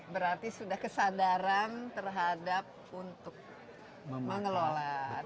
berarti sudah kesadaran terhadap untuk mengelola